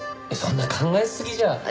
そんな考えすぎじゃ。